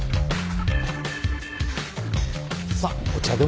さあお茶でも。